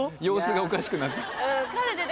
様子がおかしくなった。